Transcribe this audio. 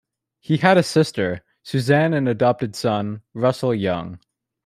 He had a sister, Suzanne, and adopted son, Russell Young.